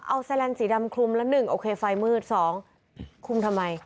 เอาแลนสีดำคลุมแล้ว๑โอเคไฟมืดสองคลุมทำไม